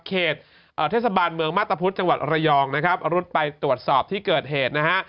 เขตเทศบาลเมืองมาตรพุธจังหวัดระยองนะครับรุดไปตรวจสอบที่เกิดเหตุนะฮะ